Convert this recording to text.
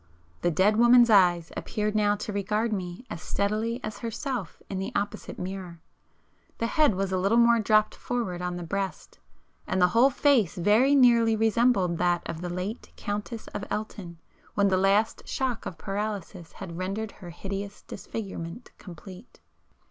The dead woman's eyes appeared now to regard me as steadily as herself in the opposite mirror,—the head was a little more dropped forward on the breast, and the whole face very nearly resembled that of the late Countess of Elton when the last shock of paralysis had rendered her hideous disfigurement complete.